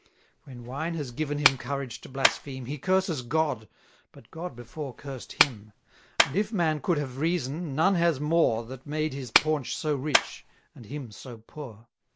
When wine has given him courage to blaspheme, He curses God, but God before cursed him; And if man could have reason, none has more, That made his paunch so rich, and him so poor.